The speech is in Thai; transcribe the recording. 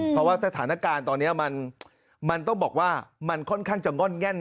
เพราะว่าสถานการณ์ตอนนี้มันต้องบอกว่ามันค่อนข้างจะง่อนแง่น